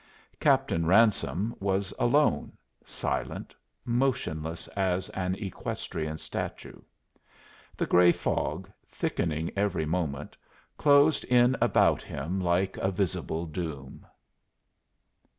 Captain Ransome was alone, silent, motionless as an equestrian statue. The gray fog, thickening every moment, closed in about him like a visible doom.